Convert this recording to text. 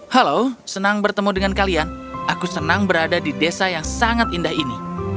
halo senang bertemu dengan kalian aku senang berada di desa yang sangat indah ini